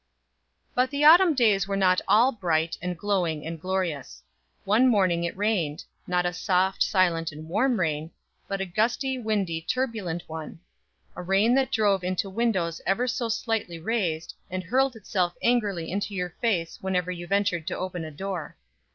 But the autumn days were not all bright, and glowing, and glorious. One morning it rained not a soft, silent, and warm rain, but a gusty, windy, turbulent one; a rain that drove into windows ever so slightly raised, and hurled itself angrily into your face whenever you ventured to open a door.